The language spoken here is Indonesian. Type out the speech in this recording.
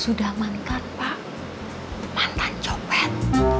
sudah mantan pak mantan copet